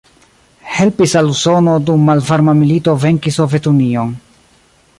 Helpis al Usono dum malvarma milito venki Sovetunion.